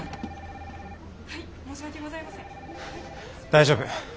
大丈夫。